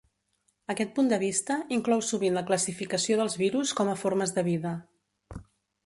Aquest punt de vista inclou sovint la classificació dels virus com a formes de vida.